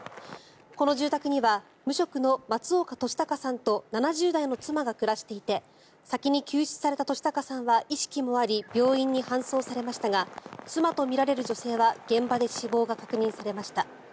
この住宅には無職の松岡俊孝さんと７０代の妻が暮らしていて先に救出された俊孝さんは意識もあり病院に搬送されましたが妻とみられる女性は現場で死亡が確認されました。